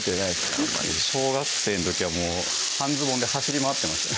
あんまり小学生の時は半ズボンで走り回ってましたね